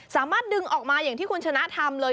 สามารถดึงออกมาอย่างที่คุณชนะทำเลย